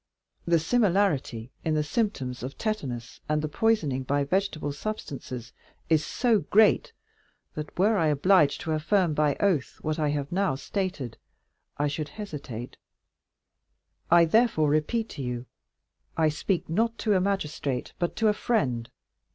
The similarity in the symptoms of tetanus and poisoning by vegetable substances is so great, that were I obliged to affirm by oath what I have now stated, I should hesitate; I therefore repeat to you, I speak not to a magistrate, but to a friend.